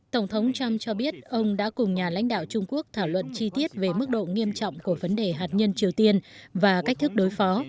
tổng thống trump cho biết ông đã cùng nhà lãnh đạo trung quốc thảo luận chi tiết về mức độ nghiêm trọng của vấn đề hạt nhân triều tiên và cách thức đối phó